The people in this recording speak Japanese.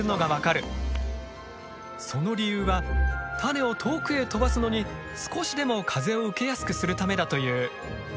その理由は種を遠くへ飛ばすのに少しでも風を受けやすくするためだという。